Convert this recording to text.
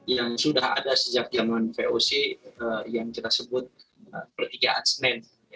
yang sudah ada sejak zaman voc yang kita sebut pertigaan senen